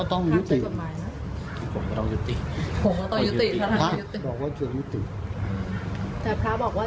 ขอบคุณครับ